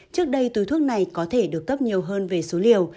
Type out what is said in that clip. trước đây túi thuốc này có thể được cấp nhiều hơn về số liều